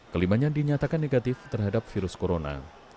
kelimanya dinyatakan negatif terhadap virus corona